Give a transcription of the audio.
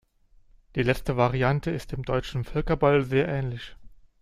Die letzte Variante ist dem deutschen Völkerball sehr ähnlich.